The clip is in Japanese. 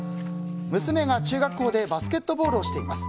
娘が中学校でバスケットボールをしています。